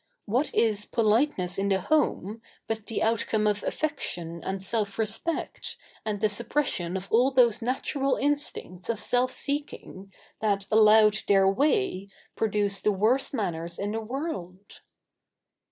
What is politeness in the home but the outcome of affection and self respect, and the suppression of all those natural instincts of self seeking that, allowed their way, produce the worst manners in the world?